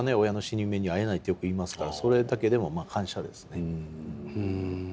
親の死に目に会えないってよくいいますからそれだけでも感謝ですね。